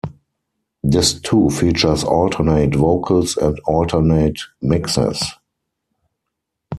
Disc two features alternate vocals and alternate mixes.